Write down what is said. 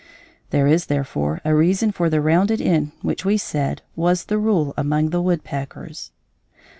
There is therefore a reason for the rounded end which we said was the rule among the woodpeckers.